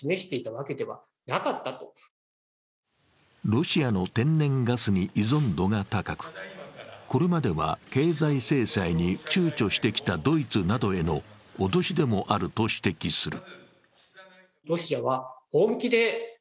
ロシアの天然ガスに依存度が高く、これまでは経済制裁にちゅうちょしてきたドイツなどへの脅しでもあると指摘する。